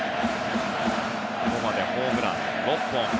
ここまでホームラン６本。